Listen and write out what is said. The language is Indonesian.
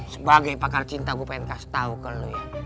sebagai pakar cinta gue pengen kasih tau ke lo ya